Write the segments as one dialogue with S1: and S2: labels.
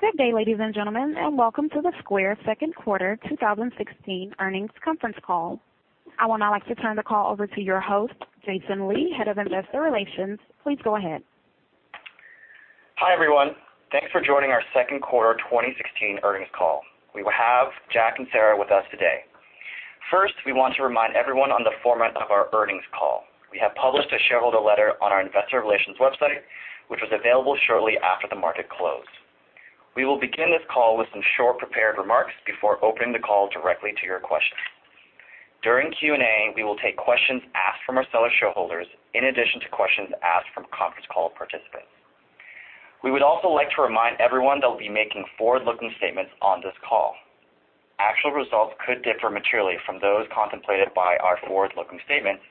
S1: Good day, ladies and gentlemen, and welcome to the Square second quarter 2016 earnings conference call. I would now like to turn the call over to your host, Jason Lee, head of investor relations. Please go ahead.
S2: Hi, everyone. Thanks for joining our second quarter 2016 earnings call. We have Jack and Sarah with us today. First, we want to remind everyone on the format of our earnings call. We have published a shareholder letter on our investor relations website, which was available shortly after the market closed. We will begin this call with some short prepared remarks before opening the call directly to your questions. During Q&A, we will take questions asked from our seller shareholders, in addition to questions asked from conference call participants. We would also like to remind everyone that we'll be making forward-looking statements on this call. Actual results could differ materially from those contemplated by our forward-looking statements,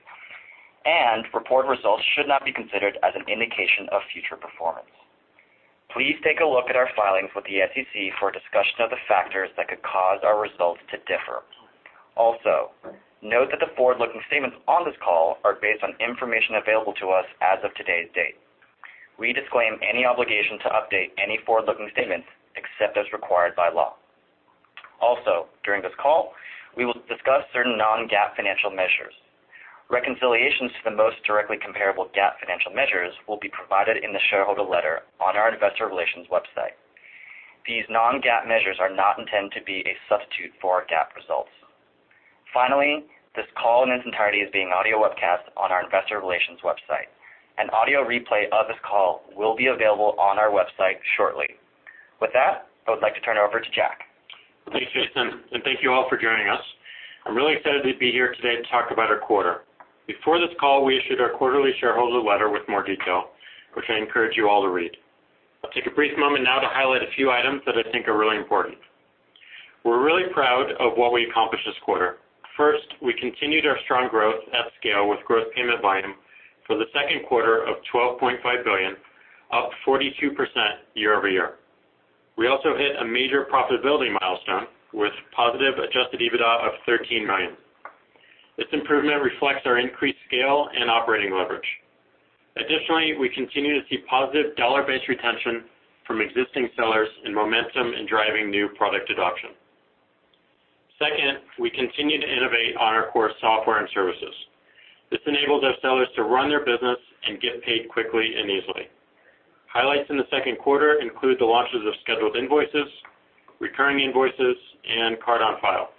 S2: and reported results should not be considered as an indication of future performance. Please take a look at our filings with the SEC for a discussion of the factors that could cause our results to differ. Note that the forward-looking statements on this call are based on information available to us as of today's date. We disclaim any obligation to update any forward-looking statements except as required by law. During this call, we will discuss certain non-GAAP financial measures. Reconciliations to the most directly comparable GAAP financial measures will be provided in the shareholder letter on our investor relations website. These non-GAAP measures are not intended to be a substitute for our GAAP results. This call in its entirety is being audio webcast on our investor relations website. An audio replay of this call will be available on our website shortly. With that, I would like to turn it over to Jack.
S3: Thanks, Jason. Thank you all for joining us. I'm really excited to be here today to talk about our quarter. Before this call, we issued our quarterly shareholder letter with more detail, which I encourage you all to read. I'll take a brief moment now to highlight a few items that I think are really important. We're really proud of what we accomplished this quarter. First, we continued our strong growth at scale with gross payment volume for the second quarter of $12.5 billion, up 42% year-over-year. We also hit a major profitability milestone with positive adjusted EBITDA of $13 million. This improvement reflects our increased scale and operating leverage. Additionally, we continue to see positive dollar-based retention from existing sellers and momentum in driving new product adoption. Second, we continue to innovate on our core software and services. This enables our sellers to run their business and get paid quickly and easily. Highlights in the second quarter include the launches of scheduled Invoices, recurring Invoices, and card on file.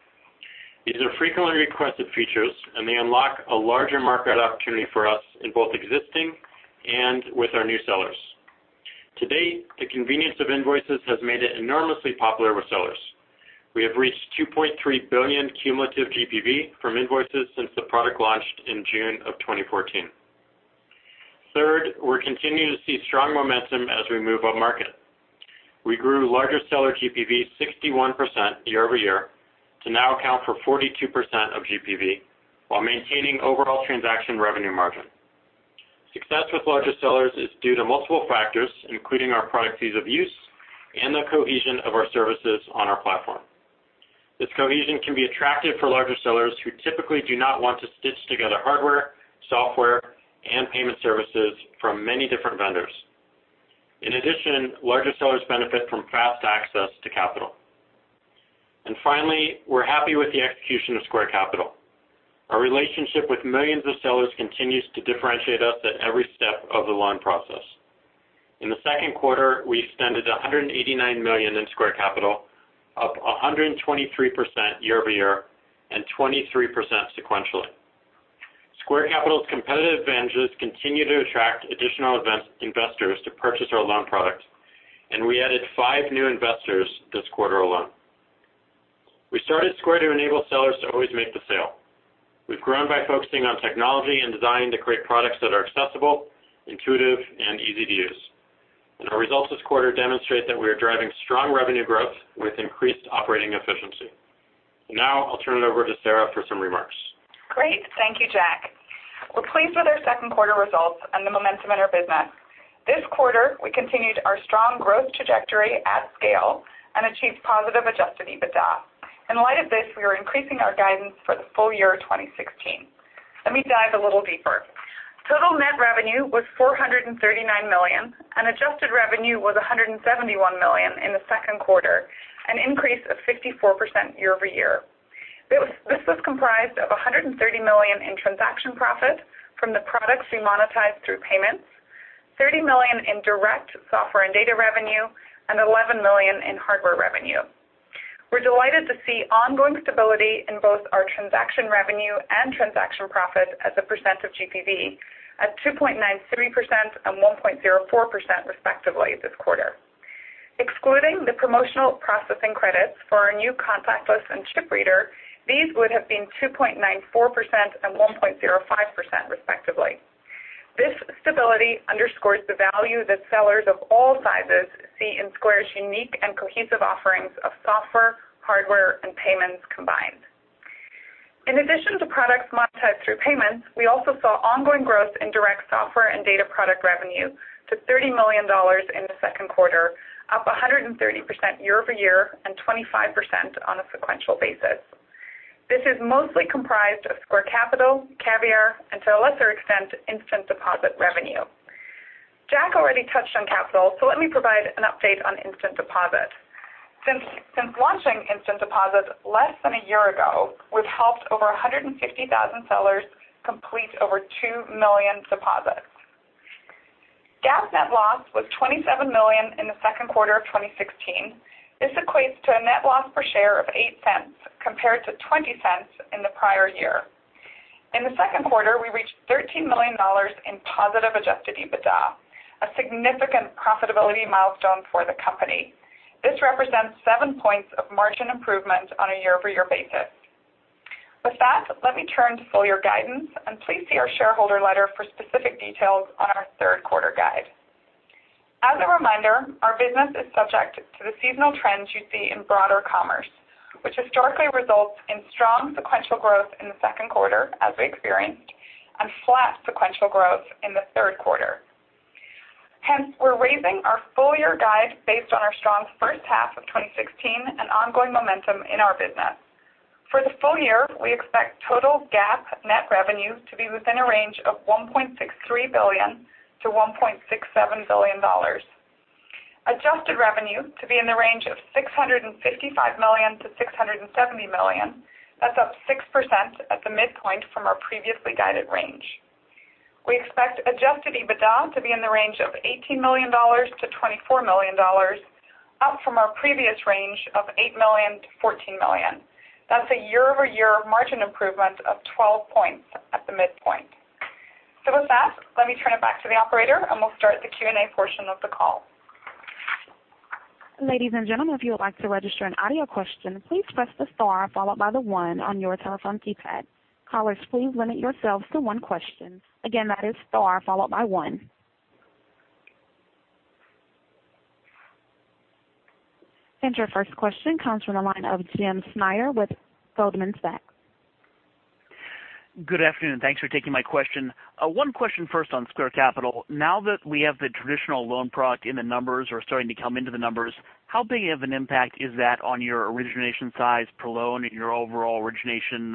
S3: These are frequently requested features, and they unlock a larger market opportunity for us in both existing and with our new sellers. To date, the convenience of Invoices has made it enormously popular with sellers. We have reached $2.3 billion cumulative GPV from Invoices since the product launched in June 2014. Third, we are continuing to see strong momentum as we move up market. We grew larger seller GPV 61% year-over-year to now account for 42% of GPV while maintaining overall transaction revenue margin. Success with larger sellers is due to multiple factors, including our product ease of use and the cohesion of our services on our platform. This cohesion can be attractive for larger sellers who typically do not want to stitch together hardware, software, and payment services from many different vendors. In addition, larger sellers benefit from fast access to capital. Finally, we're happy with the execution of Square Capital. Our relationship with millions of sellers continues to differentiate us at every step of the loan process. In the second quarter, we extended $189 million in Square Capital, up 123% year-over-year and 23% sequentially. Square Capital's competitive advantages continue to attract additional investors to purchase our loan product, and we added five new investors this quarter alone. We started Square to enable sellers to always make the sale. We've grown by focusing on technology and design to create products that are accessible, intuitive, and easy to use. Our results this quarter demonstrate that we are driving strong revenue growth with increased operating efficiency. Now, I'll turn it over to Sarah for some remarks.
S4: Great. Thank you, Jack. We're pleased with our second quarter results and the momentum in our business. This quarter, we continued our strong growth trajectory at scale and achieved positive adjusted EBITDA. In light of this, we are increasing our guidance for the full year 2016. Let me dive a little deeper. Total net revenue was $439 million, and adjusted revenue was $171 million in the second quarter, an increase of 54% year-over-year. This was comprised of $130 million in transaction profit from the products we monetize through payments, $30 million in direct software and data revenue, and $11 million in hardware revenue. We're delighted to see ongoing stability in both our transaction revenue and transaction profit as a percent of GPV at 2.93% and 1.04%, respectively, this quarter. Excluding the promotional processing credits for our new contactless and chip reader, these would have been 2.94% and 1.05%, respectively. This stability underscores the value that sellers of all sizes see in Square's unique and cohesive offerings of software, hardware, and payments combined. In addition to products monetized through payments, we also saw ongoing growth in direct software and data product revenue to $30 million in the second quarter, up 130% year-over-year and 25% on a sequential basis. This is mostly comprised of Square Capital, Caviar, and to a lesser extent, Instant Deposit revenue. Jack already touched on Capital, so let me provide an update on Instant Deposit. Since launching Instant Deposit less than a year ago, we've helped over 150,000 sellers complete over 2 million deposits. GAAP net loss was $27 million in the second quarter of 2016. This equates to a net loss per share of $0.08 compared to $0.20 in the prior year. In the second quarter, we reached $13 million in positive adjusted EBITDA, a significant profitability milestone for the company. This represents seven points of margin improvement on a year-over-year basis. With that, let me turn to full-year guidance, and please see our shareholder letter for specific details on our third quarter guide. As a reminder, our business is subject to the seasonal trends you see in broader commerce, which historically results in strong sequential growth in the second quarter, as we experienced, and flat sequential growth in the third quarter. Hence, we're raising our full-year guide based on our strong first half of 2016 and ongoing momentum in our business. For the full-year, we expect total GAAP net revenue to be within a range of $1.63 billion-$1.67 billion, adjusted revenue to be in the range of $655 million-$670 million. That's up 6% at the midpoint from our previously guided range. We expect adjusted EBITDA to be in the range of $18 million-$24 million, up from our previous range of $8 million-$14 million. That's a year-over-year margin improvement of 12 points at the midpoint. With that, let me turn it back to the operator, and we'll start the Q&A portion of the call.
S1: Ladies and gentlemen, if you would like to register an audio question, please press the star followed by the one on your telephone keypad. Callers, please limit yourselves to one question. Again, that is star followed by one. Your first question comes from the line of James Schneider with Goldman Sachs.
S5: Good afternoon. Thanks for taking my question. One question first on Square Capital. Now that we have the traditional loan product in the numbers or starting to come into the numbers, how big of an impact is that on your origination size per loan and your overall origination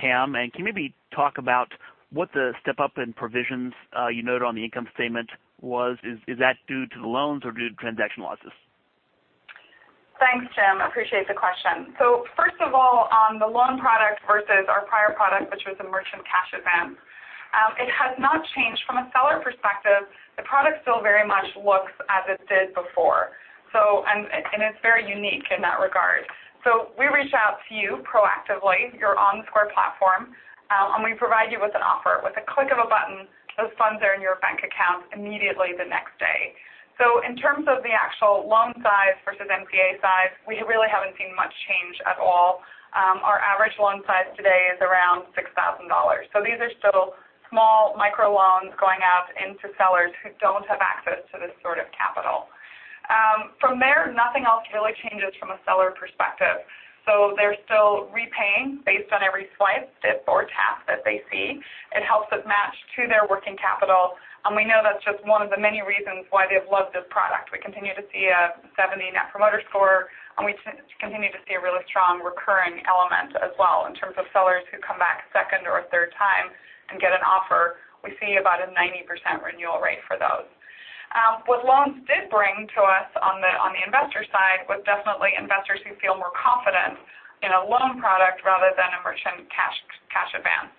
S5: TAM? Can you maybe talk about what the step-up in provisions you noted on the income statement was? Is that due to the loans or due to transaction losses?
S4: Thanks, Jim. Appreciate the question. First of all, on the loan product versus our prior product, which was a merchant cash advance, it has not changed. From a seller perspective, the product still very much looks as it did before. It's very unique in that regard. We reach out to you proactively, you're on the Square platform, and we provide you with an offer. With a click of a button, those funds are in your bank account immediately the next day. In terms of the actual loan size versus MCA size, we really haven't seen much change at all. Our average loan size today is around $6,000. These are still small microloans going out into sellers who don't have access to this sort of capital. From there, nothing else really changes from a seller perspective. They're still repaying based on every swipe, dip, or tap that they see. It helps it match to their working capital, and we know that's just one of the many reasons why they've loved this product. We continue to see a 70 Net Promoter Score, and we continue to see a really strong recurring element as well in terms of sellers who come back a second or a third time and get an offer. We see about a 90% renewal rate for those. What loans did bring to us on the investor side was definitely investors who feel more confident in a loan product rather than a merchant cash advance.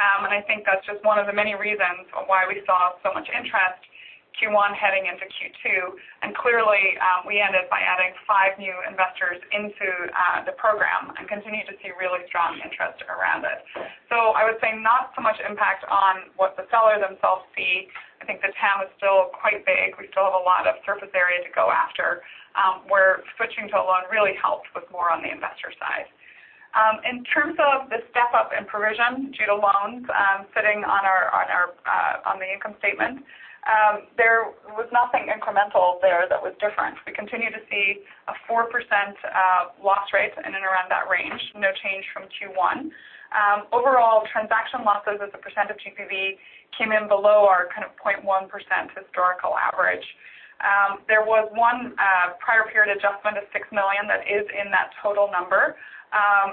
S4: I think that's just one of the many reasons why we saw so much interest Q1 heading into Q2. Clearly, we ended by adding five new investors into the program and continue to see really strong interest around it. I would say not so much impact on what the sellers themselves see. I think the TAM is still quite big. We still have a lot of surface area to go after, where switching to a loan really helped with more on the investor side. In terms of the step-up in provision due to loans sitting on the income statement, there was nothing incremental there that was different. We continue to see a 4% loss rate in and around that range, no change from Q1. Overall transaction losses as a percent of GPV came in below our kind of 0.1% historical average. There was one prior period adjustment of $6 million that is in that total number.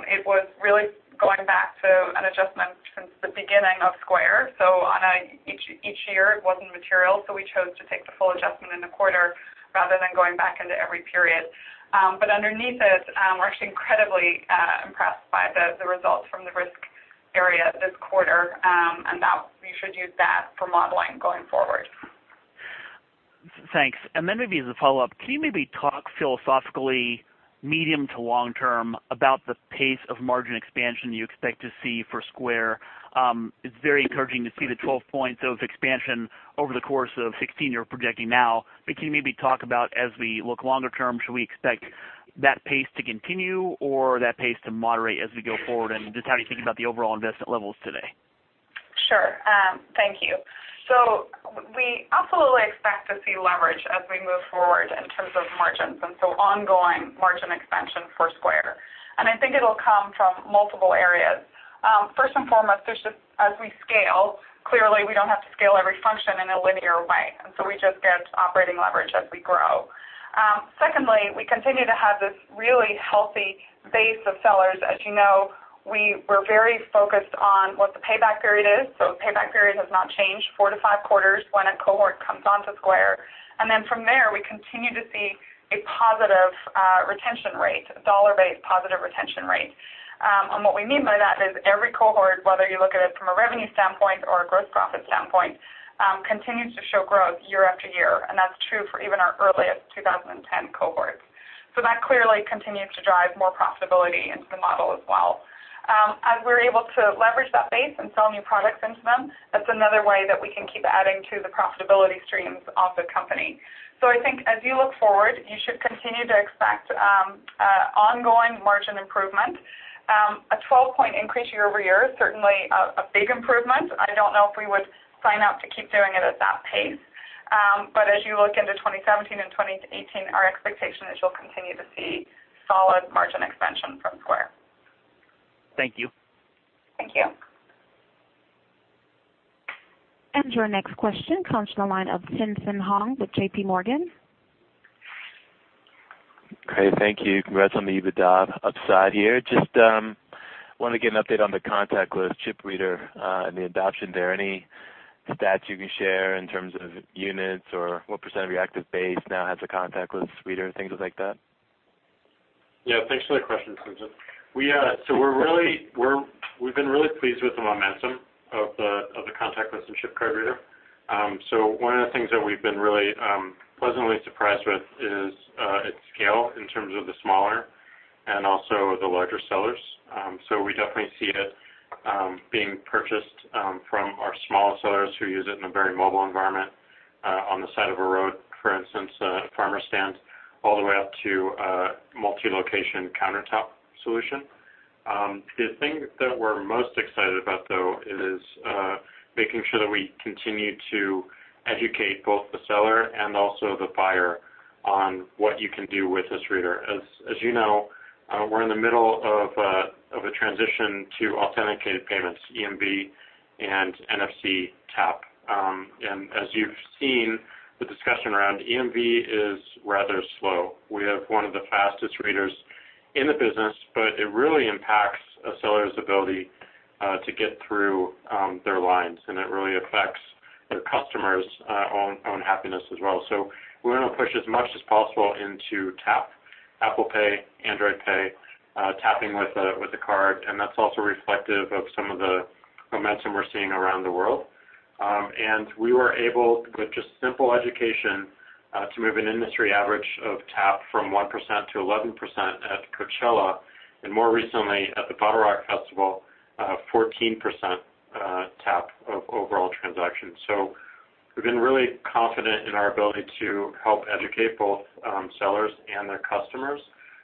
S4: It was really going back to an adjustment since the beginning of Square. On each year, it wasn't material, we chose to take the full adjustment in the quarter rather than going back into every period. Underneath it, we're actually incredibly impressed by the results from the risk area this quarter, and you should use that for modeling going forward.
S5: Thanks. Then maybe as a follow-up, can you maybe talk philosophically, medium to long-term, about the pace of margin expansion you expect to see for Square? It's very encouraging to see the 12 points of expansion over the course of 2016 you're projecting now. Can you maybe talk about as we look longer term, should we expect that pace to continue or that pace to moderate as we go forward? Just how do you think about the overall investment levels today?
S4: Sure. Thank you. We absolutely expect to see leverage as we move forward in terms of margins, ongoing margin expansion for Square. I think it'll come from multiple areas. First and foremost, as we scale, clearly we don't have to scale every function in a linear way, we just get operating leverage as we grow. Secondly, we continue to have this really healthy base of sellers. As you know, we're very focused on what the payback period is. Payback period has not changed, four to five quarters when a cohort comes onto Square. From there, we continue to see a positive retention rate, a dollar-based positive retention rate. What we mean by that is every cohort, whether you look at it from a revenue standpoint or a gross profit standpoint, continues to show growth year-after-year, and that's true for even our earliest 2010 cohorts. That clearly continues to drive more profitability into the model as well. As we're able to leverage that base and sell new products into them, that's another way that we can keep adding to the profitability streams of the company. I think as you look forward, you should continue to expect ongoing margin improvement. A 12-point increase year-over-year is certainly a big improvement. I don't know if we would sign up to keep doing it at that pace. As you look into 2017 and 2018, our expectation is you'll continue to see solid margin expansion from Square.
S5: Thank you.
S4: Thank you.
S1: Your next question comes from the line of Tien-Tsin Huang with J.P. Morgan.
S6: Great. Thank you. Congrats on the EBITDA upside here. Just wanted to get an update on the contactless and chip reader, and the adoption there. Any stats you can share in terms of units or what % of your active base now has a contactless and chip reader, things like that?
S3: Yeah. Thanks for the question, Tien-Tsin. We've been really pleased with the momentum of the contactless and chip card reader. One of the things that we've been really pleasantly surprised with is its scale in terms of the smaller and also the larger sellers. We definitely see it being purchased from our smaller sellers who use it in a very mobile environment, on the side of a road, for instance, a farmer stand, all the way up to a multi-location countertop solution. The thing that we're most excited about, though, is making sure that we continue to educate both the seller and also the buyer on what you can do with this reader. As you know, we're in the middle of a transition to authenticated payments, EMV and NFC tap. As you've seen, the discussion around EMV is rather slow. We have one of the fastest readers in the business, but it really impacts a seller's ability to get through their lines, and it really affects their customers' own happiness as well. We want to push as much as possible into tap, Apple Pay, Android Pay, tapping with a card, and that's also reflective of some of the momentum we're seeing around the world. We were able, with just simple education, to move an industry average of tap from 1%-11% at Coachella, and more recently at the BottleRock Festival, 14% tap of overall transactions. We've been really confident in our ability to help educate both sellers and their customers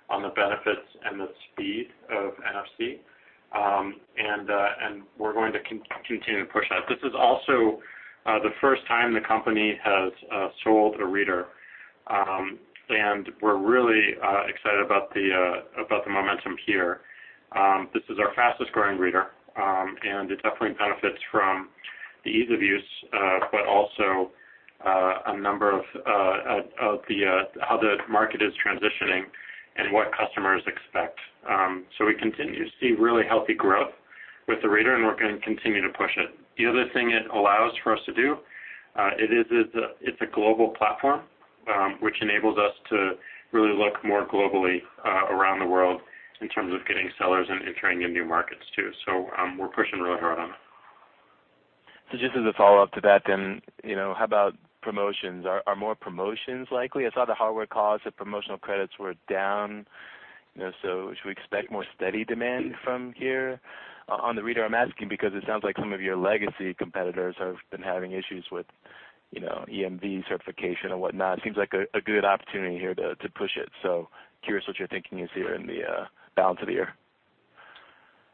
S3: on the benefits and the speed of NFC, and we're going to continue to push that. This is also the first time the company has sold a reader, and we're really excited about the momentum here. This is our fastest-growing reader, and it definitely benefits from the ease of use, but also a number of how the market is transitioning and what customers expect. We continue to see really healthy growth with the reader, and we're going to continue to push it. The other thing it allows for us to do, it's a global platform, which enables us to really look more globally around the world in terms of getting sellers and entering in new markets too. We're pushing really hard on it.
S6: Just as a follow-up to that then, how about promotions? Are more promotions likely? I saw the hardware costs, the promotional credits were down. Should we expect more steady demand from here on the reader? I'm asking because it sounds like some of your legacy competitors have been having issues with EMV certification and whatnot. It seems like a good opportunity here to push it. Curious what your thinking is here in the balance of the year.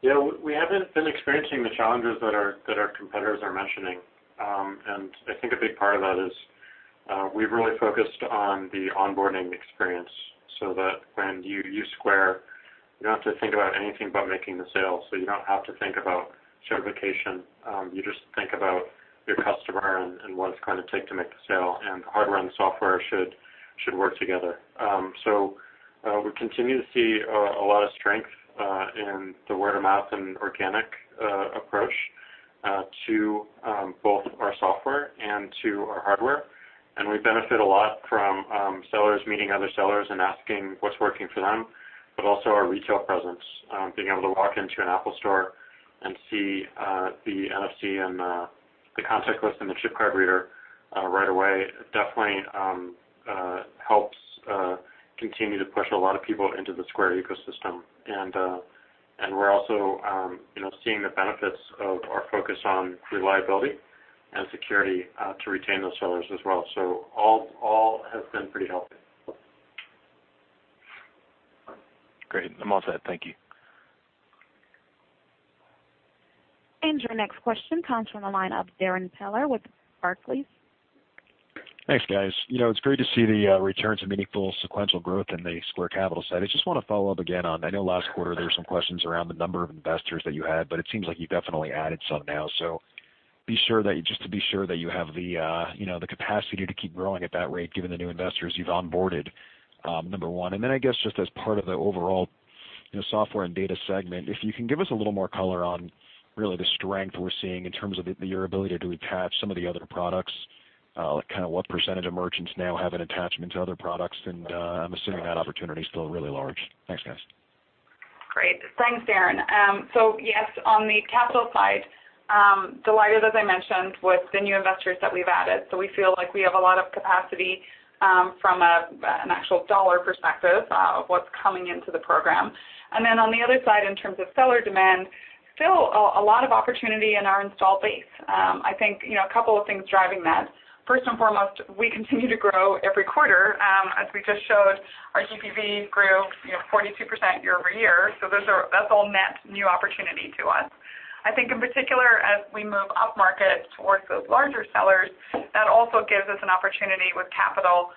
S3: Yeah. We haven't been experiencing the challenges that our competitors are mentioning. I think a big part of that is, we've really focused on the onboarding experience, that when you use Square, you don't have to think about anything but making the sale. You don't have to think about certification. You just think about your customer and what it's going to take to make the sale, and the hardware and software should work together. We continue to see a lot of strength in the word-of-mouth and organic approach to both our software and to our hardware, and we benefit a lot from sellers meeting other sellers and asking what's working for them, but also our retail presence. Being able to walk into an Apple store and see the NFC and the contactless and the chip card reader right away definitely helps continue to push a lot of people into the Square ecosystem. We're also seeing the benefits of our focus on reliability and security to retain those sellers as well. All has been pretty healthy.
S6: Great. I'm all set. Thank you.
S1: Your next question comes from the line of Darrin Peller with Barclays.
S7: Thanks, guys. It's great to see the returns and meaningful sequential growth in the Square Capital side. I just want to follow up again on, I know last quarter there were some questions around the number of investors that you had, but it seems like you definitely added some now. Just to be sure that you have the capacity to keep growing at that rate, given the new investors you've onboarded, number one. I guess just as part of the overall software and data segment, if you can give us a little more color on really the strength we're seeing in terms of your ability to attach some of the other products, what % of merchants now have an attachment to other products, and I'm assuming that opportunity is still really large. Thanks, guys.
S4: Great. Thanks, Darrin. Yes, on the Capital side, delighted, as I mentioned, with the new investors that we've added. We feel like we have a lot of capacity from an actual $ perspective of what's coming into the program. On the other side, in terms of seller demand, still a lot of opportunity in our install base. I think a couple of things driving that. First and foremost, we continue to grow every quarter. As we just showed, our GPV grew 42% year-over-year. That's all net new opportunity to us. I think in particular, as we move upmarket towards those larger sellers, that also gives us an opportunity with Capital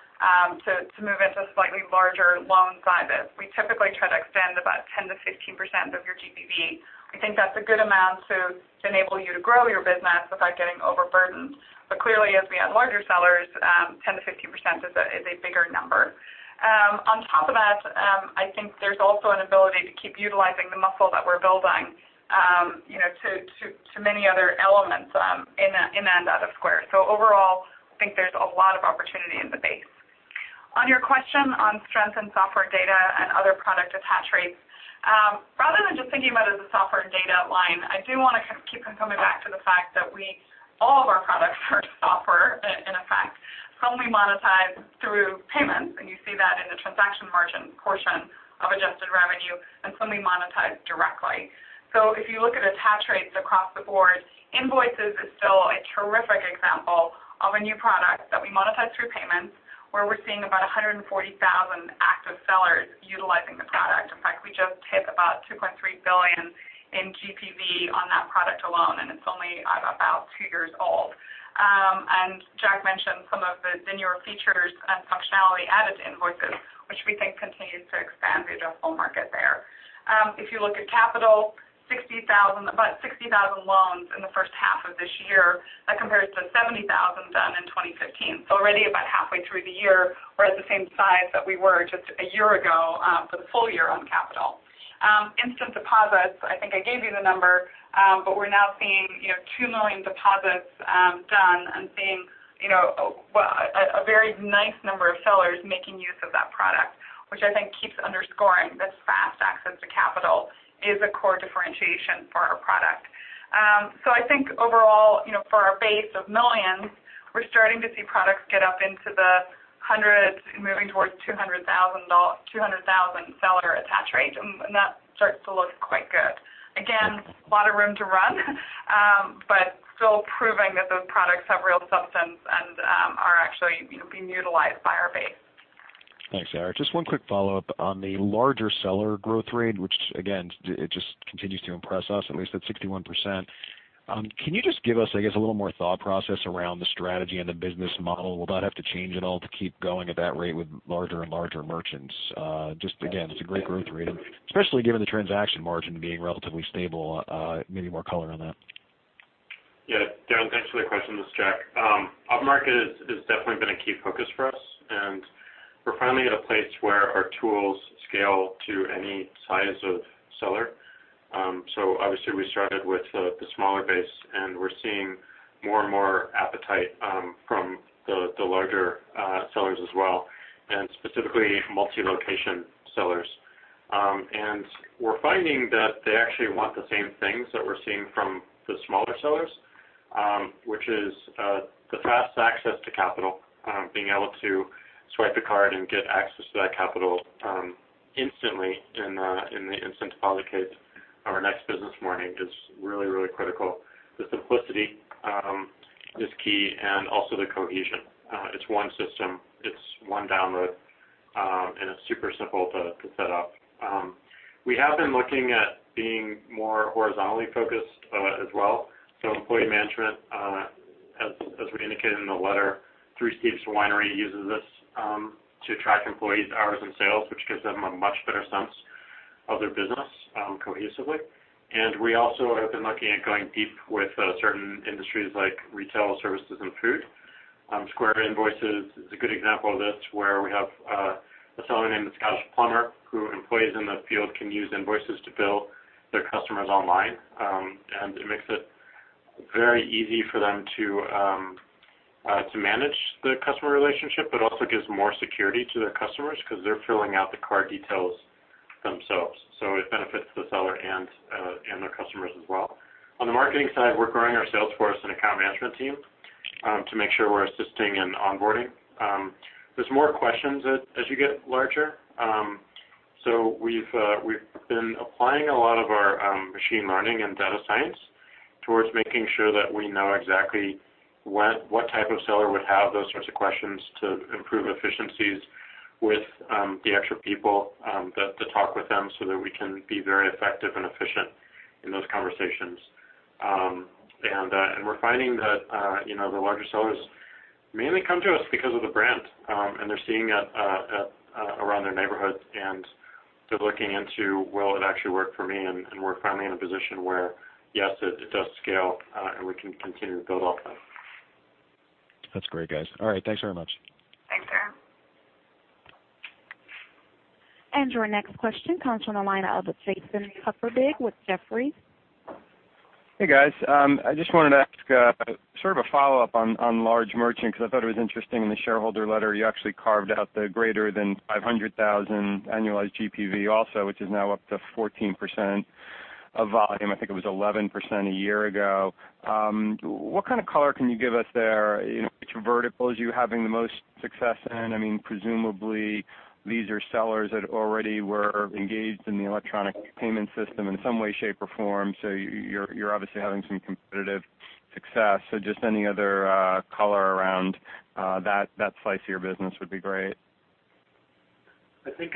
S4: to move into slightly larger loan sizes. We typically try to extend about 10%-15% of your GPV. I think that's a good amount to enable you to grow your business without getting overburdened. Clearly, as we add larger sellers, 10%-15% is a bigger number. On top of that, I think there's also an ability to keep utilizing the muscle that we're building to many other elements in and out of Square. Overall, I think there's a lot of opportunity in the base. On your question on strength in software data and other product attach rates, rather than just thinking about it as a software and data line, I do want to keep coming back to the fact that all of our products are software, in effect. Some we monetize through payments, and you see that in the transaction margin portion of adjusted revenue, and some we monetize directly. If you look at attach rates across the board, Invoices is still a terrific example of a new product that we monetize through payments, where we're seeing about 140,000 active sellers utilizing the product. In fact, we just hit about $2.3 billion in GPV on that product alone, and it's only about two years old. Jack mentioned some of the newer features and functionality added to Invoices, which we think continues to expand the addressable market there. If you look at Capital, about 60,000 loans in the first half of this year. That compares to 70,000 done in 2015. Already about halfway through the year, we're at the same size that we were just a year ago for the full year on Capital. Instant Deposits, I think I gave you the number, but we're now seeing 2 million deposits done and seeing a very nice number of sellers making use of that product, which I think keeps underscoring this fast access to capital is a core differentiation for our product. I think overall, for our base of millions, we're starting to see products get up into the hundreds and moving towards 200,000 seller attach rate, and that starts to look quite good. Again, a lot of room to run, but still proving that those products have real substance and are actually being utilized by our base.
S7: Thanks, Sarah. Just one quick follow-up on the larger seller growth rate, which again, it just continues to impress us, at least at 61%. Can you just give us, I guess, a little more thought process around the strategy and the business model? Will that have to change at all to keep going at that rate with larger and larger merchants? Again, it's a great growth rate, especially given the transaction margin being relatively stable. Maybe more color on that.
S3: Yeah. Darrin, thanks for the question. This is Jack. Upmarket has definitely been a key focus for us, and we're finally at a place where our tools scale to any size of seller. Obviously, we started with the smaller base, and we're seeing more and more appetite from the larger sellers as well, and specifically multi-location sellers. We're finding that they actually want the same things that we're seeing from the smaller sellers, which is the fast access to capital, being able to swipe the card and get access to that capital instantly in the Instant Deposit case or next business morning is really, really critical. The simplicity is key and also the cohesion. It's one system, it's one download, and it's super simple to set up. We have been looking at being more horizontally focused as well. Employee management, as we indicated in the letter, Three Sticks Winery uses this to track employees' hours and sales, which gives them a much better sense of their business cohesively. We also have been looking at going deep with certain industries like retail services and food. Square Invoices is a good example of this, where we have a seller named The Scottish Plumber, who employees in the field can use Invoices to bill their customers online. It makes it very easy for them to manage the customer relationship, but also gives more security to their customers because they're filling out the card details themselves. It benefits the seller and their customers as well. On the marketing side, we're growing our sales force and account management team to make sure we're assisting in onboarding. There's more questions as you get larger. We've been applying a lot of our machine learning and data science towards making sure that we know exactly what type of seller would have those sorts of questions With the extra people, to talk with them so that we can be very effective and efficient in those conversations. We're finding that the larger sellers mainly come to us because of the brand. They're seeing it around their neighborhoods, and they're looking into, "Will it actually work for me?" We're finally in a position where, yes, it does scale, and we can continue to build off that.
S7: That's great, guys. All right, thanks very much.
S4: Thanks, Darrin.
S1: Your next question comes from the line of Jason Kupferberg with Jefferies.
S8: Hey, guys. I just wanted to ask sort of a follow-up on large merchants because I thought it was interesting in the shareholder letter, you actually carved out the greater than $500,000 annualized GPV also, which is now up to 14% of volume. I think it was 11% a year ago. What kind of color can you give us there? Which verticals are you having the most success in? Presumably, these are sellers that already were engaged in the electronic payment system in some way, shape, or form, so you're obviously having some competitive success. Just any other color around that slice of your business would be great.
S3: I think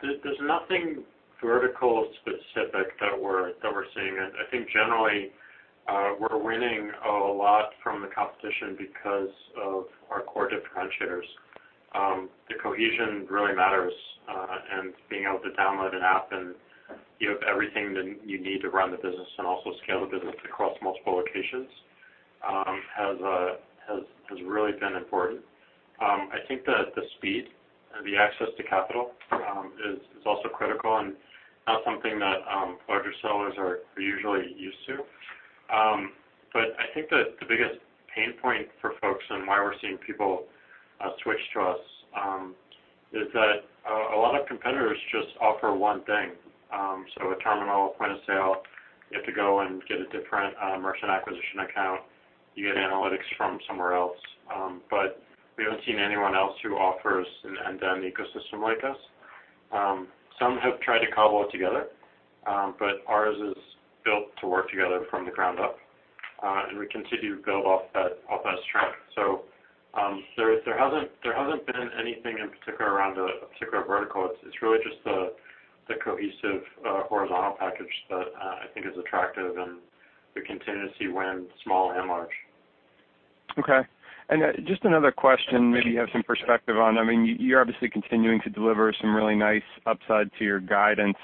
S3: there's nothing vertical specific that we're seeing. I think generally, we're winning a lot from the competition because of our core differentiators. The cohesion really matters, and being able to download an app, and you have everything that you need to run the business and also scale the business across multiple locations, has really been important. I think that the speed and the access to capital is also critical and not something that larger sellers are usually used to. I think that the biggest pain point for folks and why we're seeing people switch to us is that a lot of competitors just offer one thing. A terminal point-of-sale, you have to go and get a different merchant acquisition account. You get analytics from somewhere else. We haven't seen anyone else who offers an end-to-end ecosystem like us. Some have tried to cobble it together, but ours is built to work together from the ground up. We continue to build off that strength. There hasn't been anything in particular around a particular vertical. It's really just the cohesive horizontal package that I think is attractive, and we continue to see win small and large.
S8: Okay. Just another question, maybe you have some perspective on. You're obviously continuing to deliver some really nice upside to your guidance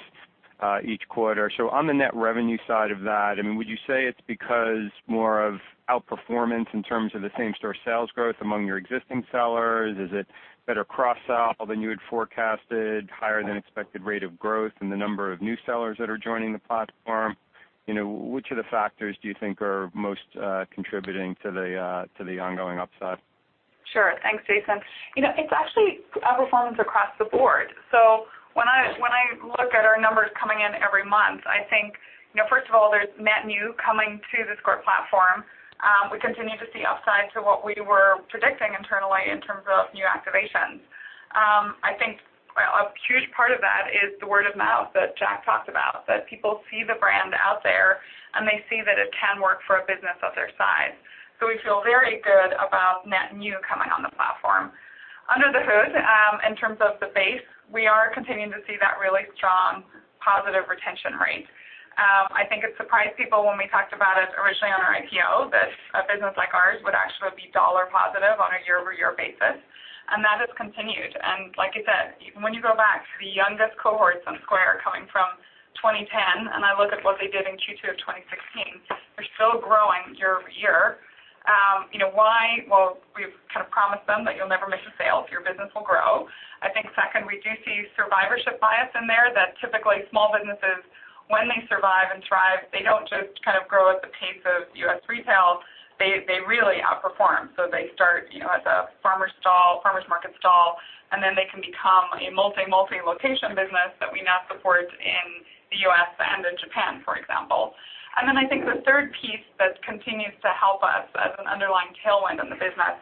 S8: each quarter. On the net revenue side of that, would you say it's because more of outperformance in terms of the same store sales growth among your existing sellers? Is it better cross-sell than you had forecasted, higher than expected rate of growth in the number of new sellers that are joining the platform? Which of the factors do you think are most contributing to the ongoing upside?
S4: Sure. Thanks, Jason. It's actually outperformance across the board. When I look at our numbers coming in every month, I think, first of all, there's net new coming to the Square platform. We continue to see upside to what we were predicting internally in terms of new activations. I think a huge part of that is the word of mouth that Jack talked about, that people see the brand out there, and they see that it can work for a business of their size. We feel very good about net new coming on the platform. Under the hood, in terms of the base, we are continuing to see that really strong positive retention rate. I think it surprised people when we talked about it originally on our IPO, that a business like ours would actually be dollar positive on a year-over-year basis, and that has continued. Like you said, when you go back to the youngest cohorts on Square coming from 2010, and I look at what they did in Q2 of 2016, they're still growing year-over-year. Why? Well, we've kind of promised them that you'll never miss a sale, your business will grow. I think second, we do see survivorship bias in there, that typically small businesses, when they survive and thrive, they don't just kind of grow at the pace of U.S. retail, they really outperform. They start at the farmer's market stall, and then they can become a multi-location business that we now support in the U.S. and in Japan, for example. I think the third piece that continues to help us as an underlying tailwind in the business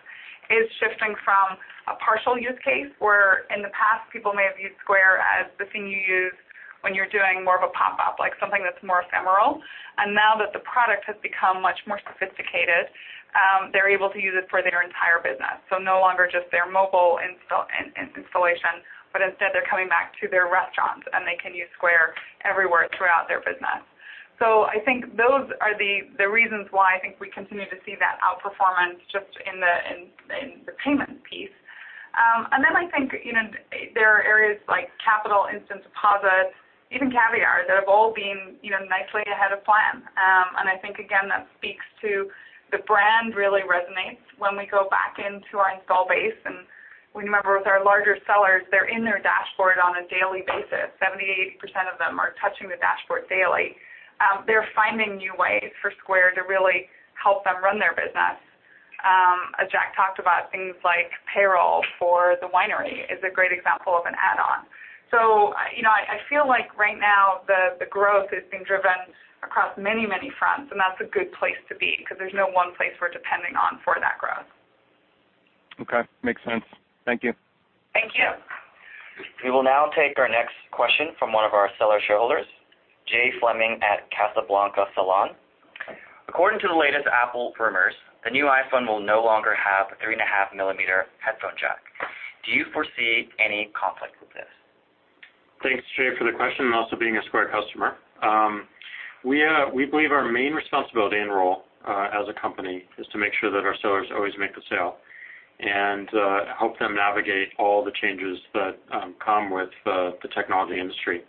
S4: is shifting from a partial use case, where in the past, people may have used Square as the thing you use when you're doing more of a pop-up, like something that's more ephemeral. Now that the product has become much more sophisticated, they're able to use it for their entire business. No longer just their mobile installation, but instead they're coming back to their restaurants, and they can use Square everywhere throughout their business. I think those are the reasons why I think we continue to see that outperformance just in the payment piece. I think there are areas like Capital, Instant Deposit, even Caviar, that have all been nicely ahead of plan. I think, again, that speaks to the brand really resonates when we go back into our install base. We remember with our larger sellers, they're in their dashboard on a daily basis. 70%-80% of them are touching the dashboard daily. They're finding new ways for Square to really help them run their business. As Jack talked about, things like payroll for the winery is a great example of an add-on. I feel like right now the growth is being driven across many fronts, and that's a good place to be because there's no one place we're depending on for that growth.
S8: Okay. Makes sense. Thank you.
S4: Thank you.
S1: We will now take our next question from one of our seller shareholders
S2: Jay Fleming at Casablanca Salon: According to the latest Apple rumors, the new iPhone will no longer have a three-and-a-half-millimeter headphone jack. Do you foresee any conflict with this?
S3: Thanks, Jay, for the question, also being a Square customer. We believe our main responsibility and role, as a company, is to make sure that our sellers always make the sale and help them navigate all the changes that come with the technology industry.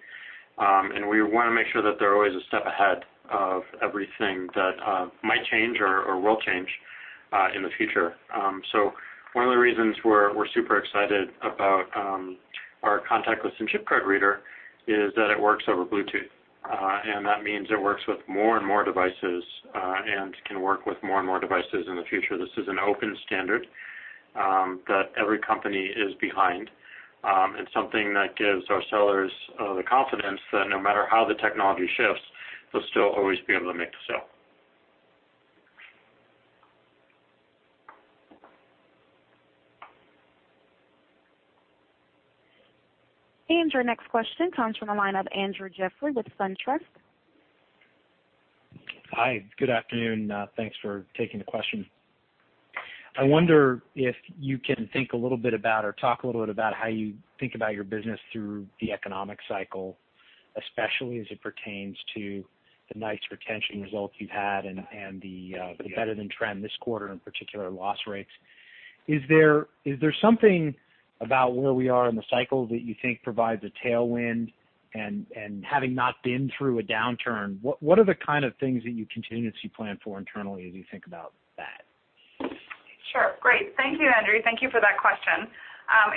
S3: We want to make sure that they're always a step ahead of everything that might change or will change in the future. One of the reasons we're super excited about our contactless and chip card reader is that it works over Bluetooth. That means it works with more and more devices, and can work with more and more devices in the future. This is an open standard that every company is behind, something that gives our sellers the confidence that no matter how the technology shifts, they'll still always be able to make the sale.
S1: Our next question comes from the line of Andrew Jeffrey with SunTrust.
S9: Hi. Good afternoon. Thanks for taking the question. I wonder if you can think a little bit about, or talk a little bit about how you think about your business through the economic cycle, especially as it pertains to the nice retention results you've had and the better than trend this quarter in particular loss rates. Is there something about where we are in the cycle that you think provides a tailwind? Having not been through a downturn, what are the kind of things that you contingency plan for internally as you think about that?
S4: Sure. Great. Thank you, Andrew. Thank you for that question.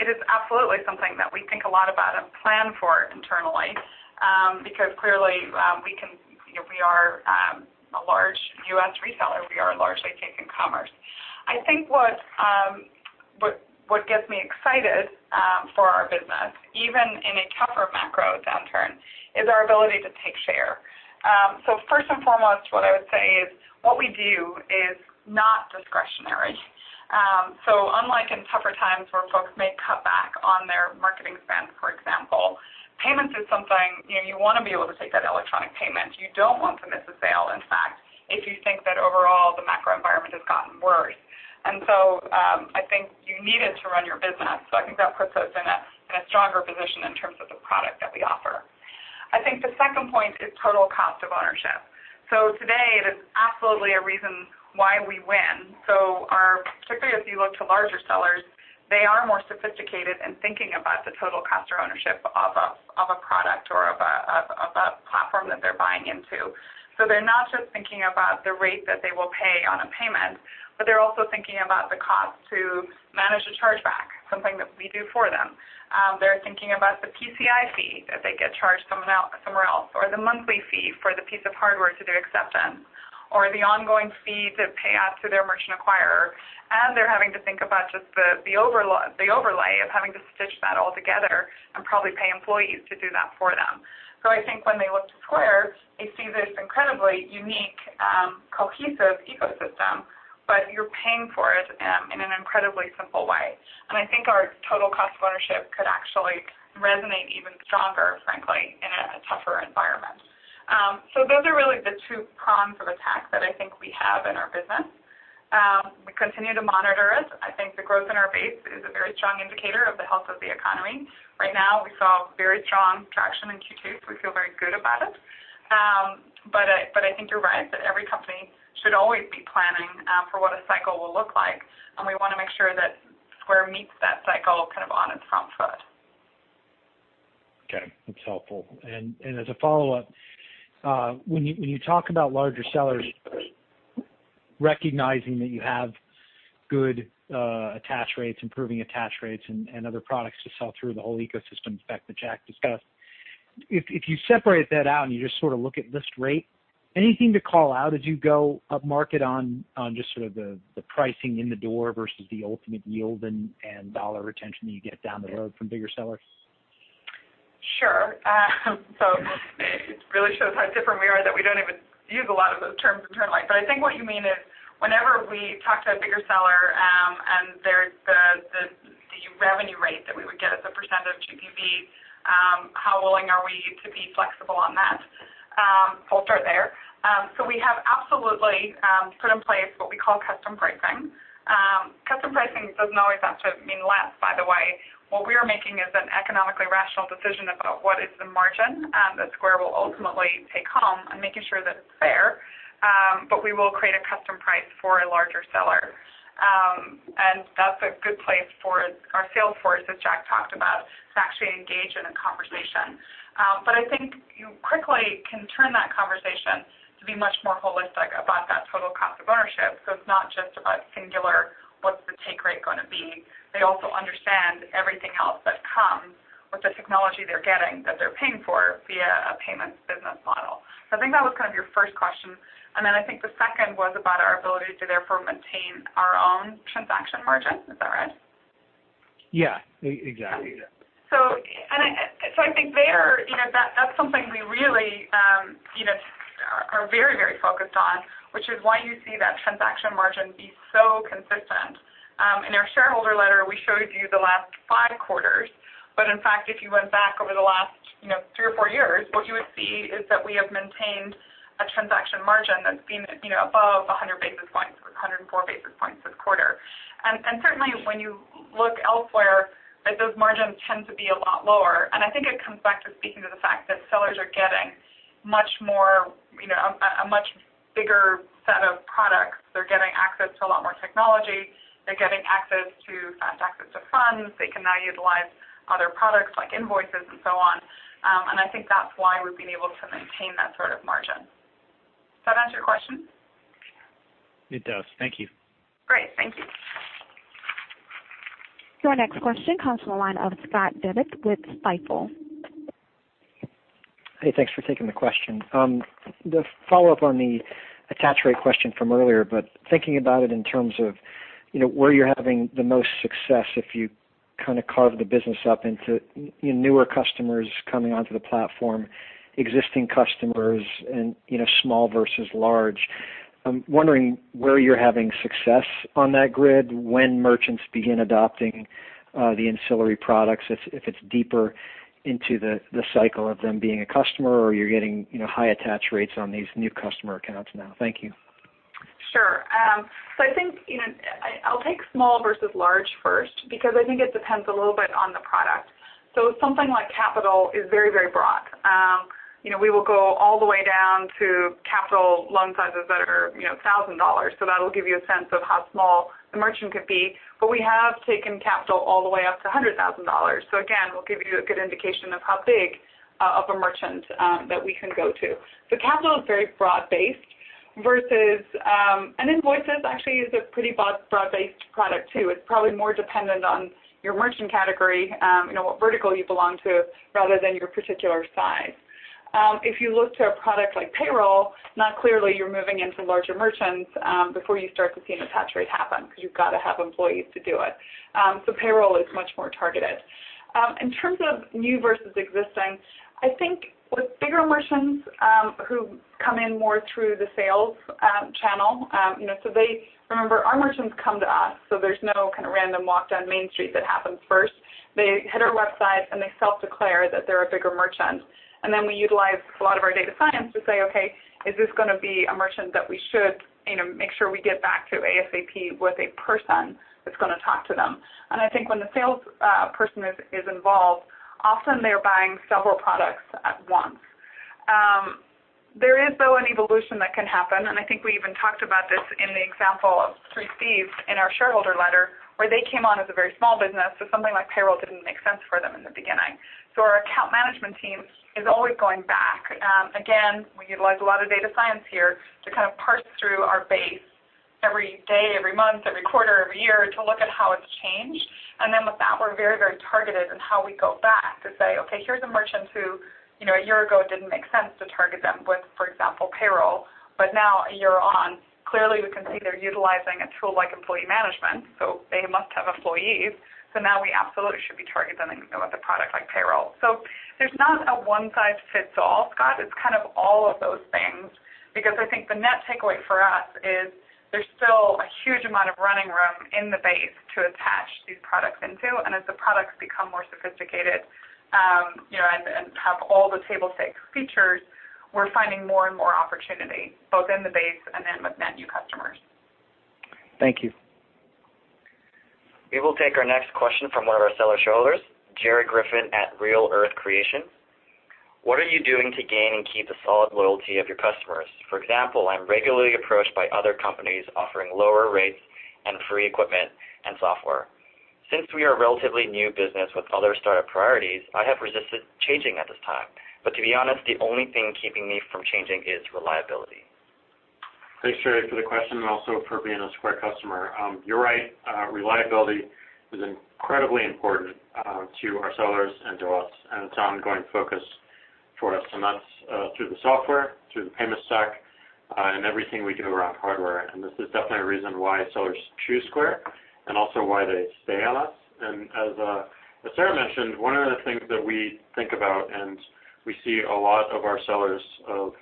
S4: It is absolutely something that we think a lot about and plan for internally, because clearly, we are a large U.S. reseller. We are largely taking commerce. First and foremost, what I would say is, what we do is not discretionary. Unlike in tougher times where folks may cut back on their marketing spend, for example, payments is something you want to be able to take that electronic payment. You don't want to miss a sale, in fact, if you think that overall, the macro environment has gotten worse. I think you need it to run your business. I think that puts us in a stronger position in terms of the product that we offer. I think the second point is total cost of ownership. Today, it is absolutely a reason why we win. Particularly if you look to larger sellers, they are more sophisticated in thinking about the total cost of ownership of a product or of a platform that they're buying into. They're not just thinking about the rate that they will pay on a payment, but they're also thinking about the cost to manage a chargeback, something that we do for them. They're thinking about the PCI fee that they get charged somewhere else, or the monthly fee for the piece of hardware to do acceptance, or the ongoing fee to pay out to their merchant acquirer. They're having to think about just the overlay of having to stitch that all together and probably pay employees to do that for them. I think when they look to Square, they see this incredibly unique, cohesive ecosystem, but you're paying for it in an incredibly simple way. I think our total cost of ownership could actually resonate even stronger, frankly, in a tougher environment. Those are really the two prongs of attack that I think we have in our business. We continue to monitor it. I think the growth in our base is a very strong indicator of the health of the economy. Right now, we saw very strong traction in Q2, so we feel very good about it. I think you're right, that every company should always be planning for what a cycle will look like, and we want to make sure that Square meets that cycle kind of on its front foot.
S9: Okay. That's helpful. As a follow-up, when you talk about larger sellers recognizing that you have good attach rates, improving attach rates, and other products to sell through the whole ecosystem effect that Jack discussed, if you separate that out and you just sort of look at list rate, anything to call out as you go up market on just sort of the pricing in the door versus the ultimate yield and dollar retention that you get down the road from bigger sellers?
S4: It really shows how different we are that we don't even use a lot of those terms internally. I think what you mean is whenever we talk to a bigger seller, and there's the revenue rate that we would get as a percent of GPV, how willing are we to be flexible on that? I'll start there. We have absolutely put in place what we call custom pricing. Custom pricing doesn't always have to mean less, by the way. What we are making is an economically rational decision about what is the margin that Square will ultimately take home and making sure that it's fair. We will create a custom price for a larger seller. That's a good place for our sales force, as Jack talked about, to actually engage in a conversation. I think you quickly can turn that conversation to be much more holistic about that total cost of ownership. It's not just about singular, what's the take rate gonna be. They also understand everything else that comes with the technology they're getting, that they're paying for via a payments business model. I think that was kind of your first question, and then I think the second was about our ability to therefore maintain our own transaction margin. Is that right?
S9: Yeah, exactly.
S4: I think there, that's something we really, you know, are very, very focused on, which is why you see that transaction margin be so consistent. In our shareholder letter, we showed you the last five quarters. In fact, if you went back over the last three or four years, what you would see is that we have maintained a transaction margin that's been above 100 basis points, or 104 basis points this quarter. Certainly, when you look elsewhere, those margins tend to be a lot lower. I think it comes back to speaking to the fact that sellers are getting a much bigger set of products. They're getting access to a lot more technology. They're getting fast access to funds. They can now utilize other products like Invoices and so on. I think that's why we've been able to maintain that sort of margin. Does that answer your question?
S9: It does. Thank you.
S4: Great. Thank you.
S1: Your next question comes from the line of Scott Bibby with Stifel.
S10: Hey, thanks for taking the question. The follow-up on the attach rate question from earlier, thinking about it in terms of where you're having the most success if you kind of carve the business up into newer customers coming onto the platform, existing customers, and small versus large. I'm wondering where you're having success on that grid when merchants begin adopting the ancillary products, if it's deeper into the cycle of them being a customer or you're getting high attach rates on these new customer accounts now. Thank you.
S4: Sure. I think I'll take small versus large first because I think it depends a little bit on the product. Something like Capital is very, very broad. We will go all the way down to Capital loan sizes that are $1,000. That'll give you a sense of how small the merchant could be. We have taken Capital all the way up to $100,000. Again, we'll give you a good indication of how big of a merchant that we can go to. Capital is very broad-based. Invoices actually is a pretty broad-based product too. It's probably more dependent on your merchant category, what vertical you belong to, rather than your particular size. If you look to a product like payroll, now clearly you're moving into larger merchants before you start to see an attach rate happen because you've got to have employees to do it. Payroll is much more targeted. In terms of new versus existing, I think with bigger merchants who come in more through the sales channel, remember, our merchants come to us, there's no kind of random walk down Main Street that happens first. They hit our website and they self-declare that they're a bigger merchant. We utilize a lot of our data science to say, "Okay, is this going to be a merchant that we should make sure we get back to ASAP with a person that's going to talk to them?" I think when the sales person is involved, often they're buying several products at once. There is, though, an evolution that can happen, I think we even talked about this in the example of 3C's in our shareholder letter, where they came on as a very small business, something like payroll didn't make sense for them in the beginning. Our account management team is always going back. Again, we utilize a lot of data science here to kind of parse through our base every day, every month, every quarter, every year to look at how it's changed. With that, we're very, very targeted in how we go back to say, "Okay, here's a merchant who a year ago it didn't make sense to target them with, for example, payroll. Now a year on, clearly we can see they're utilizing a tool like employee management, they must have employees. We absolutely should be targeting them with a product like payroll." There's not a one-size-fits-all, Scott. It's kind of all of those things because I think the net takeaway for us is there's still a huge amount of running room in the base to attach these products into. As the products become more sophisticated, and have all the table stakes features, we're finding more and more opportunity both in the base and then with net new customers.
S10: Thank you.
S1: We will take our next question from one of our seller shareholders, Jerry Griffin at Real Earth Creations. "What are you doing to gain and keep the solid loyalty of your customers? For example, I'm regularly approached by other companies offering lower rates and free equipment and software. Since we are a relatively new business with other startup priorities, I have resisted changing at this time. To be honest, the only thing keeping me from changing is reliability.
S3: Thanks, Jerry, for the question, and also for being a Square customer. You're right, reliability is incredibly important to our sellers and to us, and it's an ongoing focus for us. That's through the software, through the payment stack, and everything we do around hardware. This is definitely a reason why sellers choose Square and also why they stay on us. As Sarah mentioned, one of the things that we think about and we see a lot of our sellers of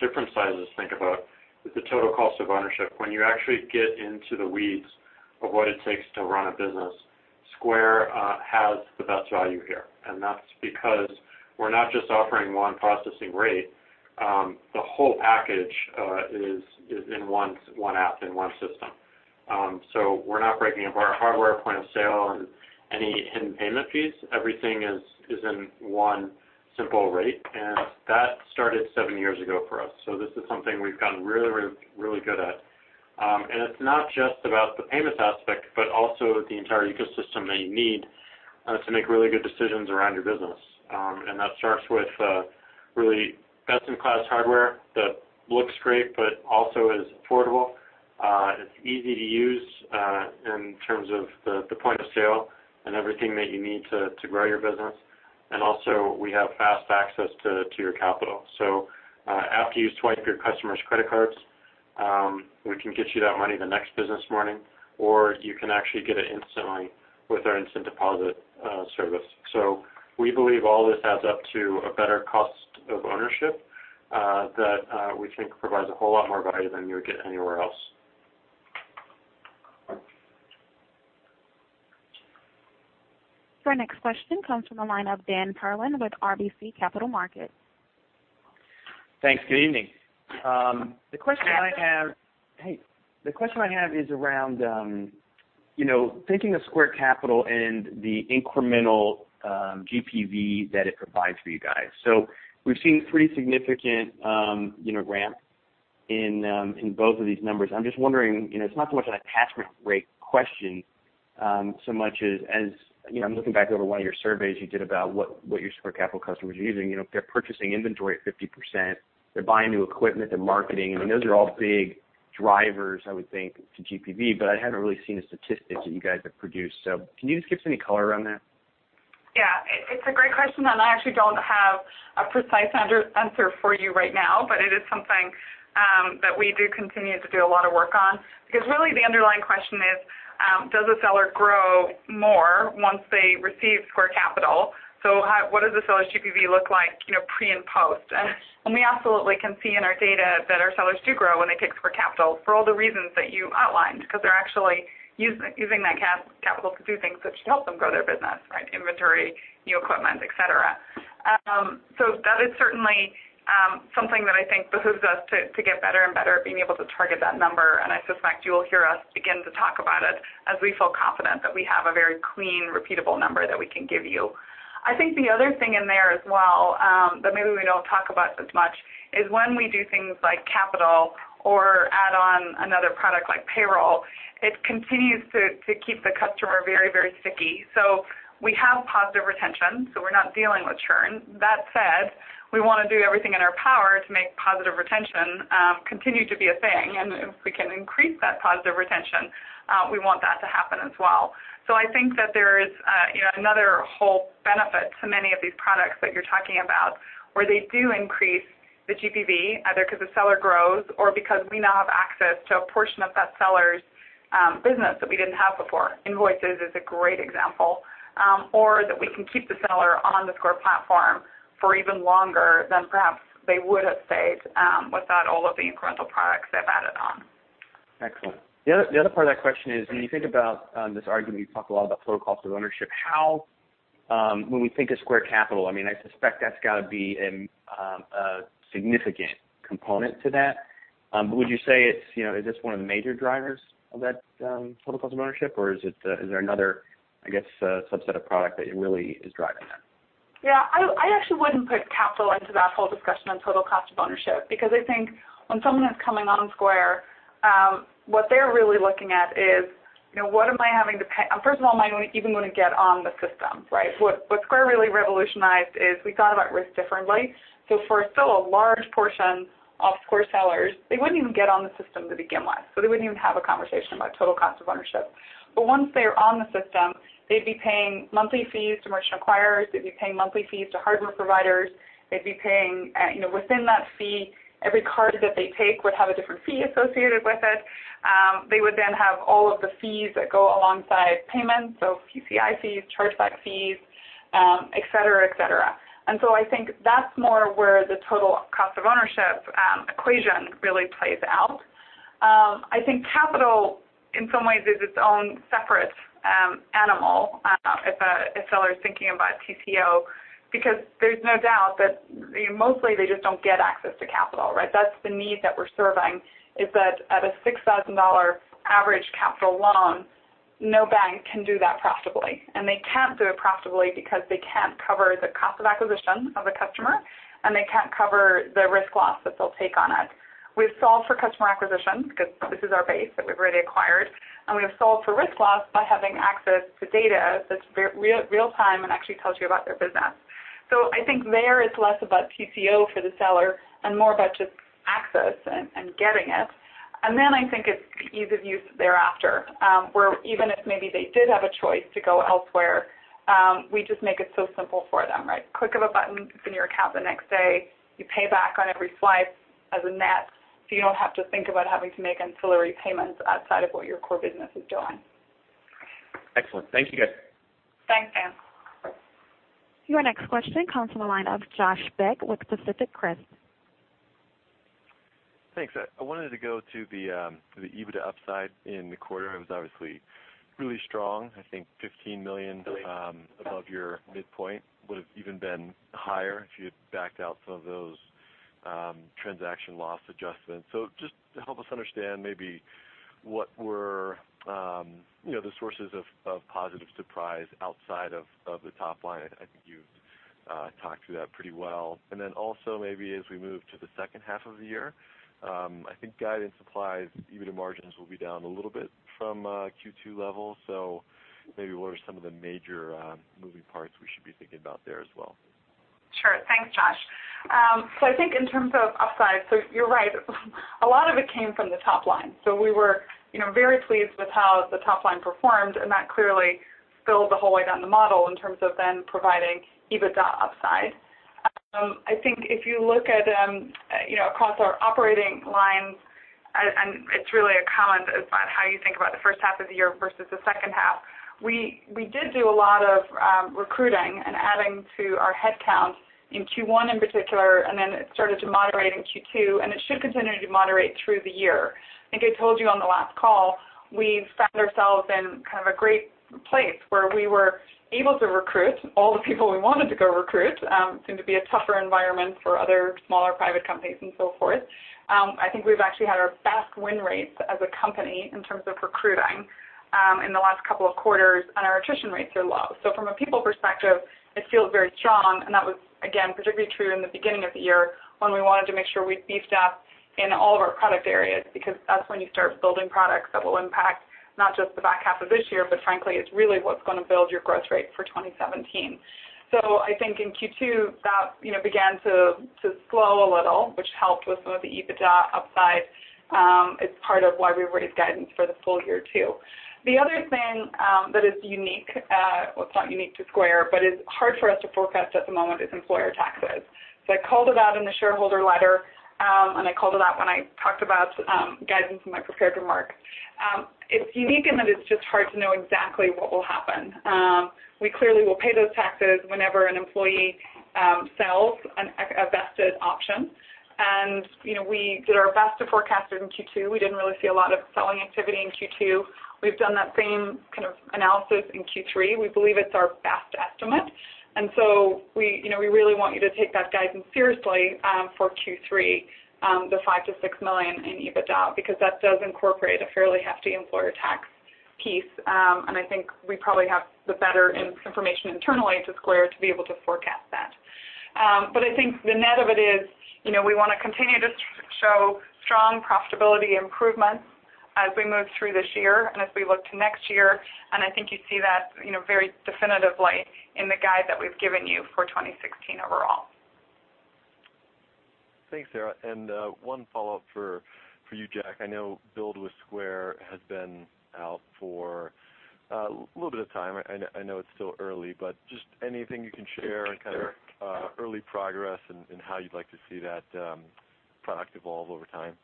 S3: different sizes think about is the total cost of ownership. When you actually get into the weeds of what it takes to run a business, Square has the best value here. That's because we're not just offering one processing rate. The whole package is in one app, in one system. We're not breaking up our hardware point-of-sale and any hidden payment fees. Everything is in one simple rate, that started 7 years ago for us. This is something we've gotten really, really, really good at. It's not just about the payments aspect, but also the entire ecosystem that you need to make really good decisions around your business. That starts with really best-in-class hardware that looks great but also is affordable. It's easy to use in terms of the point of sale and everything that you need to grow your business. Also, we have fast access to your capital. After you swipe your customer's credit cards We can get you that money the next business morning, or you can actually get it instantly with our Instant Deposit service. We believe all this adds up to a better cost of ownership that we think provides a whole lot more value than you would get anywhere else.
S1: Your next question comes from the line of Dan Perlin with RBC Capital Markets.
S11: Thanks. Good evening. The question I have is around thinking of Square Capital and the incremental GPV that it provides for you guys. We've seen pretty significant ramp in both of these numbers. I'm just wondering, it's not so much an attachment rate question so much as, I'm looking back over one of your surveys you did about what your Square Capital customers are using. They're purchasing inventory at 50%, they're buying new equipment, they're marketing. I mean, those are all big drivers, I would think, to GPV, but I haven't really seen the statistics that you guys have produced. Can you just give us any color around that?
S4: Yeah. It's a great question. I actually don't have a precise answer for you right now, but it is something that we do continue to do a lot of work on. Really the underlying question is, does a seller grow more once they receive Square Capital? What does the seller's GPV look like pre- and post? We absolutely can see in our data that our sellers do grow when they take Square Capital for all the reasons that you outlined, because they're actually using that capital to do things that should help them grow their business, right? Inventory, new equipment, et cetera. That is certainly something that I think behooves us to get better and better at being able to target that number, and I suspect you will hear us again to talk about it as we feel confident that we have a very clean, repeatable number that we can give you. I think the other thing in there as well, that maybe we don't talk about as much, is when we do things like capital or add on another product like payroll, it continues to keep the customer very sticky. We have positive retention, so we're not dealing with churn. That said, we want to do everything in our power to make positive retention continue to be a thing, and if we can increase that positive retention, we want that to happen as well. I think that there is another whole benefit to many of these products that you're talking about, where they do increase the GPV, either because the seller grows or because we now have access to a portion of that seller's business that we didn't have before. Invoices is a great example. That we can keep the seller on the Square platform for even longer than perhaps they would have stayed without all of the incremental products they've added on.
S11: Excellent. The other part of that question is, when you think about this argument, you talk a lot about total cost of ownership. When we think of Square Capital, I suspect that's got to be a significant component to that. Would you say, is this one of the major drivers of that total cost of ownership? Is there another, I guess, subset of product that really is driving that?
S4: Yeah. I actually wouldn't put capital into that whole discussion on total cost of ownership, because I think when someone is coming on Square, what they're really looking at is what am I having to pay-- First of all, am I even going to get on the system, right? What Square really revolutionized is we thought about risk differently. For still a large portion of Square sellers, they wouldn't even get on the system to begin with. They wouldn't even have a conversation about total cost of ownership. Once they are on the system, they'd be paying monthly fees to merchant acquirers. They'd be paying monthly fees to hardware providers. They'd be paying, within that fee, every card that they take would have a different fee associated with it. They would have all of the fees that go alongside payments, so PCI fees, chargeback fees, et cetera. I think that's more where the total cost of ownership equation really plays out. I think capital in some ways is its own separate animal if a seller is thinking about TCO, because there's no doubt that mostly they just don't get access to capital, right? That's the need that we're serving, is that at a $6,000 average capital loan, no bank can do that profitably. They can't do it profitably because they can't cover the cost of acquisition of a customer, and they can't cover the risk loss that they'll take on it. We've solved for customer acquisition because this is our base that we've already acquired, and we have solved for risk loss by having access to data that's real-time and actually tells you about their business. I think there it's less about TCO for the seller and more about just access and getting it. I think it's the ease of use thereafter. Where even if maybe they did have a choice to go elsewhere, we just make it so simple for them, right? Click of a button, it's in your account the next day. You pay back on every swipe as a net, so you don't have to think about having to make ancillary payments outside of what your core business is doing.
S11: Excellent. Thank you, guys.
S4: Thanks, Dan.
S1: Your next question comes from the line of Josh Beck with Pacific Crest.
S12: Thanks. I wanted to go to the EBITDA upside in the quarter. It was obviously really strong. I think $15 million above your midpoint would've even been higher if you had backed out some of those transaction loss adjustments. Just to help us understand maybe what were the sources of positive surprise outside of the top line. I think you talked through that pretty well. Also maybe as we move to the second half of the year, I think guidance implies EBITDA margins will be down a little bit from Q2 levels. Maybe what are some of the major moving parts we should be thinking about there as well?
S4: Sure. Thanks, Josh. I think in terms of upside, you're right, a lot of it came from the top line. We were very pleased with how the top line performed, that clearly spilled the whole way down the model in terms of then providing EBITDA upside. I think if you look at across our operating lines, it's really a comment about how you think about the first half of the year versus the second half. We did do a lot of recruiting and adding to our headcount in Q1 in particular, it started to moderate in Q2, it should continue to moderate through the year. I think I told you on the last call, we found ourselves in kind of a great place where we were able to recruit all the people we wanted to go recruit. Seemed to be a tougher environment for other smaller private companies and so forth. I think we've actually had our best win rates as a company in terms of recruiting in the last couple of quarters, and our attrition rates are low. From a people perspective, it feels very strong, and that was, again, particularly true in the beginning of the year when we wanted to make sure we beefed up in all of our product areas, because that's when you start building products that will impact not just the back half of this year, but frankly, it's really what's going to build your growth rate for 2017. I think in Q2, that began to slow a little, which helped with some of the EBITDA upside. It's part of why we raised guidance for the full year, too. The other thing that is unique, well, it's not unique to Square, but is hard for us to forecast at the moment is employer taxes. I called it out in the shareholder letter, and I called it out when I talked about guidance in my prepared remarks. It's unique in that it's just hard to know exactly what will happen. We clearly will pay those taxes whenever an employee sells a vested option. We did our best to forecast it in Q2. We didn't really see a lot of selling activity in Q2. We've done that same kind of analysis in Q3. We believe it's our best estimate. We really want you to take that guidance seriously for Q3, the $5 million to $6 million in EBITDA, because that does incorporate a fairly hefty employer tax piece. I think we probably have the better information internally to Square to be able to forecast that. I think the net of it is, we want to continue to show strong profitability improvements as we move through this year and as we look to next year, and I think you see that very definitively in the guide that we've given you for 2016 overall.
S12: Thanks, Sarah. One follow-up for you, Jack. I know Build with Square has been out for a little bit of time. I know it's still early, but just anything you can share kind of early progress and how you'd like to see that product evolve over time.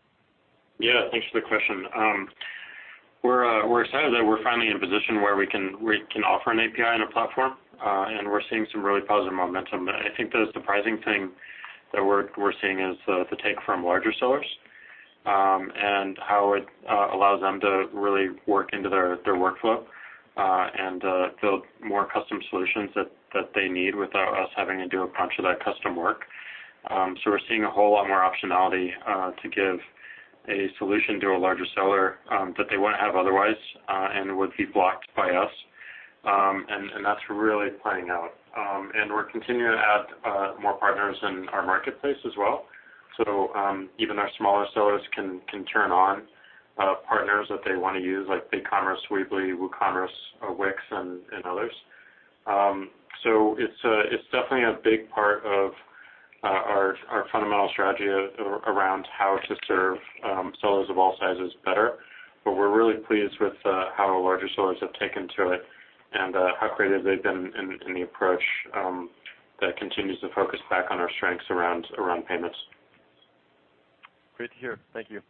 S3: Yeah, thanks for the question. We're excited that we're finally in a position where we can offer an API and a platform, and we're seeing some really positive momentum. I think the surprising thing that we're seeing is the take from larger sellers, and how it allows them to really work into their workflow, and build more custom solutions that they need without us having to do a bunch of that custom work. We're seeing a whole lot more optionality to give a solution to a larger seller that they wouldn't have otherwise and would be blocked by us, and that's really playing out. We're continuing to add more partners in our marketplace as well. Even our smaller sellers can turn on partners that they want to use, like BigCommerce, Weebly, WooCommerce, Wix and others. It's definitely a big part of our fundamental strategy around how to serve sellers of all sizes better, but we're really pleased with how our larger sellers have taken to it and how creative they've been in the approach that continues to focus back on our strengths around payments.
S12: Great to hear. Thank you.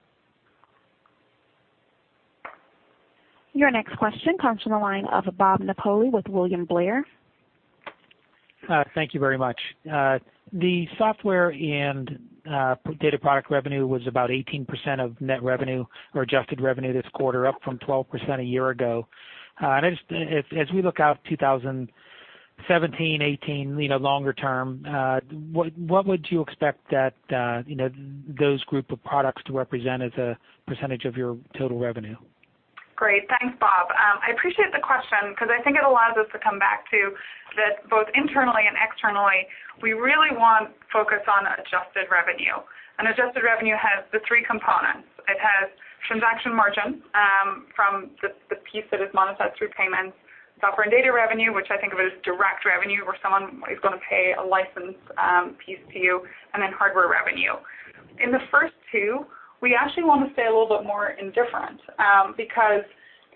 S1: Your next question comes from the line of Bob Napoli with William Blair.
S13: Thank you very much. The software and data product revenue was about 18% of net revenue or adjusted revenue this quarter, up from 12% a year ago. As we look out 2017, 2018, longer term, what would you expect those group of products to represent as a percentage of your total revenue?
S4: Great. Thanks, Bob. I appreciate the question because I think it allows us to come back to that both internally and externally, we really want focus on adjusted revenue, and adjusted revenue has the three components. It has transaction margin from the piece that is monetized through payments, software and data revenue, which I think of as direct revenue, where someone is going to pay a license piece to you, and then hardware revenue. In the first two, we actually want to stay a little bit more indifferent.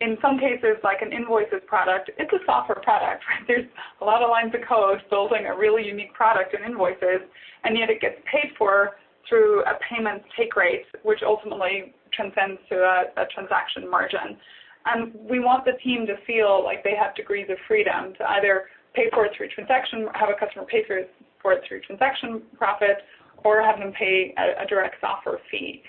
S4: In some cases, like an Invoices product, it's a software product, right? There's a lot of lines of code building a really unique product in Invoices, and yet it gets paid for through a payment take rate, which ultimately transcends to a transaction margin. We want the team to feel like they have degrees of freedom to either have a customer pay for it through transaction profit or have them pay a direct software fee.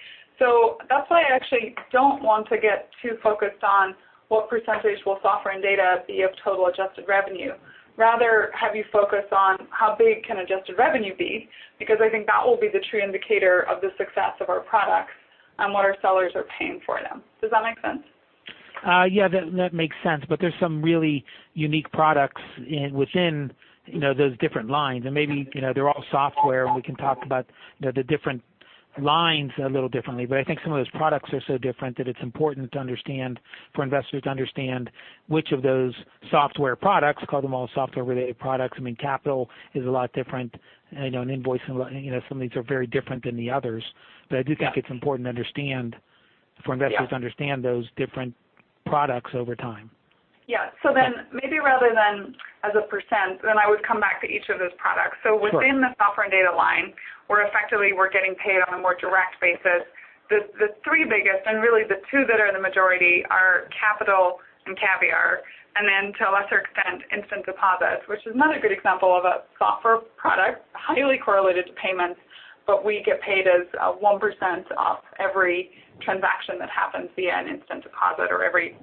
S4: That's why I actually don't want to get too focused on what % will software and data be of total adjusted revenue. Rather, have you focus on how big can adjusted revenue be, because I think that will be the true indicator of the success of our products and what our sellers are paying for them. Does that make sense? Yeah, that makes sense.
S13: There's some really unique products within those different lines, and maybe they're all software and we can talk about the different lines a little differently. I think some of those products are so different that it's important for investors to understand which of those software products, call them all software related products. I mean, Capital is a lot different, an Invoice, some of these are very different than the others. I do think it's important for investors to understand those different products over time. Yeah. Then maybe rather than as a %, I would come back to each of those products.
S4: Sure. Within the software and data line, where effectively we're getting paid on a more direct basis, the three biggest, and really the two that are the majority, are Capital and Caviar, and then to a lesser extent, Instant Deposit, which is another good example of a software product, highly correlated to payments, but we get paid as a 1% off every transaction that happens via an Instant Deposit or every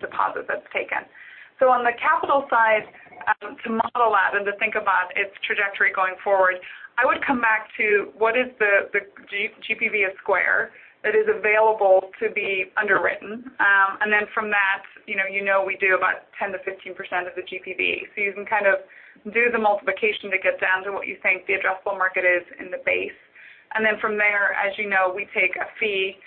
S4: deposit that's taken. On the Capital side, to model out and to think about its trajectory going forward, I would come back to what is the GPV of Square that is available to be underwritten. From that, you know we do about 10%-15% of the GPV. You can kind of do the multiplication to get down to what you think the addressable market is in the base. From there, as you know, we take a fee.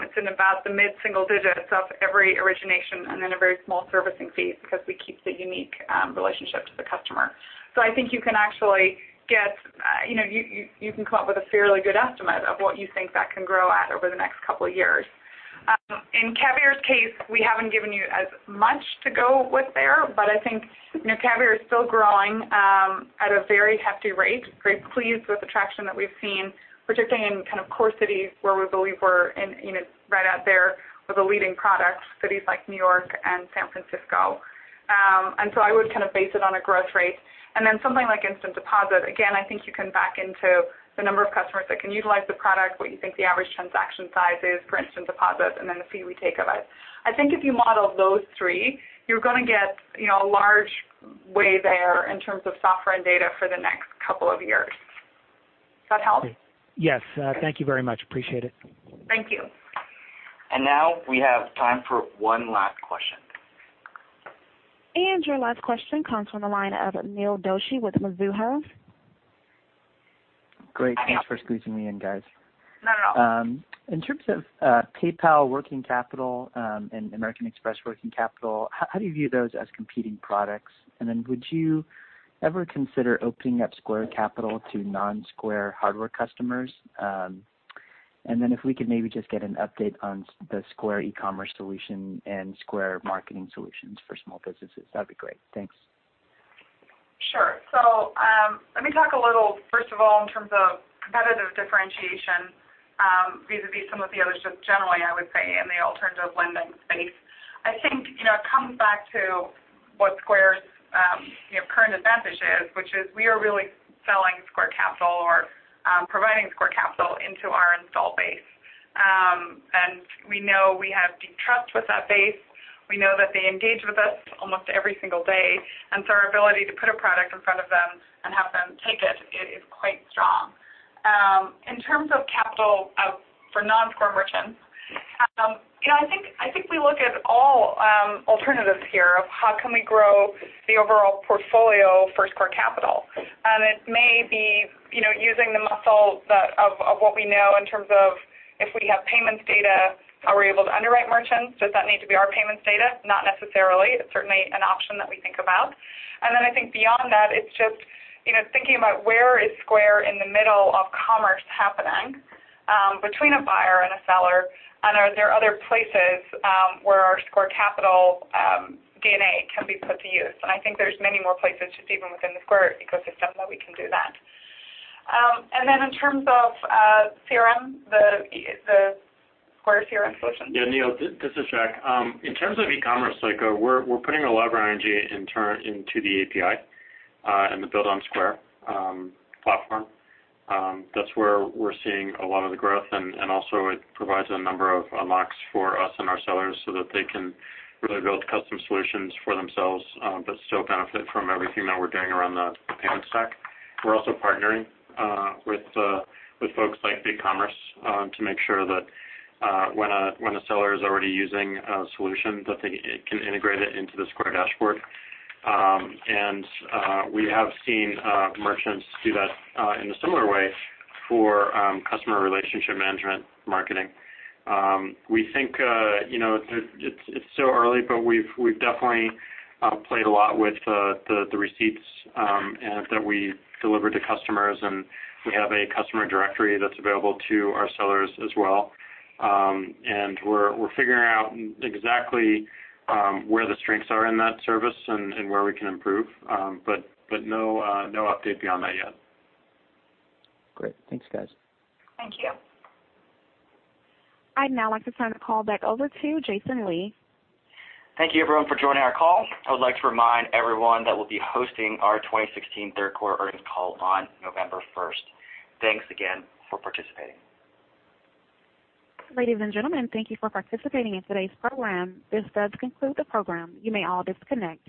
S4: It's in about the mid-single digits of every origination, and then a very small servicing fee because we keep the unique relationship to the customer. I think you can come up with a fairly good estimate of what you think that can grow at over the next couple of years. In Caviar's case, we haven't given you as much to go with there, but I think Caviar is still growing at a very hefty rate. Very pleased with the traction that we've seen, particularly in kind of core cities where we believe we're right out there with a leading product, cities like New York and San Francisco. I would kind of base it on a growth rate. Something like Instant Deposit, again, I think you can back into the number of customers that can utilize the product, what you think the average transaction size is for Instant Deposit, the fee we take of it. I think if you model those three, you're going to get a large way there in terms of software and data for the next couple of years. Does that help?
S13: Yes. Thank you very much. Appreciate it.
S4: Thank you.
S2: We have time for one last question.
S1: Your last question comes from the line of Neil Doshi with Mizuho.
S14: Great. Thanks for squeezing me in, guys.
S4: Not at all.
S14: In terms of PayPal Working Capital and American Express working capital, how do you view those as competing products? Then would you ever consider opening up Square Capital to non-Square hardware customers? Then if we could maybe just get an update on the Square e-commerce solution and Square marketing solutions for small businesses, that'd be great. Thanks.
S4: Sure. Let me talk a little, first of all, in terms of competitive differentiation, vis-a-vis some of the others, just generally, I would say in the alternative lending space. I think it comes back to what Square's current advantage is, which is we are really selling Square Capital or providing Square Capital into our install base. We know we have deep trust with that base. We know that they engage with us almost every single day, our ability to put a product in front of them and have them take it is quite strong. In terms of capital for non-Square merchants, I think we look at all alternatives here of how can we grow the overall portfolio for Square Capital. It may be using the muscle of what we know in terms of if we have payments data, are we able to underwrite merchants? Does that need to be our payments data? Not necessarily. It's certainly an option that we think about. I think beyond that, it's just thinking about where is Square in the middle of commerce happening between a buyer and a seller, and are there other places where our Square Capital DNA can be put to use? I think there's many more places just even within the Square ecosystem that we can do that. In terms of CRM, the Square CRM solution.
S3: Yeah, Neil, this is Jack. In terms of e-commerce, we're putting a lot of our energy into the API and the build on Square platform. That's where we're seeing a lot of the growth, also it provides a number of unlocks for us and our sellers so that they can really build custom solutions for themselves but still benefit from everything that we're doing around the payment stack. We're also partnering with folks like BigCommerce to make sure that when a seller is already using a solution, that they can integrate it into the Square dashboard. We have seen merchants do that in a similar way for customer relationship management marketing. We think it's still early, but we've definitely played a lot with the receipts that we deliver to customers, we have a customer directory that's available to our sellers as well. We're figuring out exactly where the strengths are in that service and where we can improve. No update beyond that yet.
S14: Great. Thanks, guys.
S4: Thank you.
S1: I'd now like to turn the call back over to Jason Lee.
S2: Thank you, everyone, for joining our call. I would like to remind everyone that we'll be hosting our 2016 third quarter earnings call on November 1st. Thanks again for participating.
S1: Ladies and gentlemen, thank you for participating in today's program. This does conclude the program. You may all disconnect.